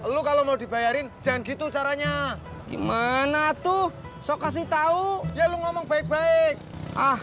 lu kalau mau dibayarin jangan gitu caranya gimana tuh so kasih tau ya lu ngomong baik baik ah